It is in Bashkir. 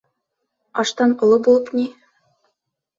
— Аштан оло булып ни.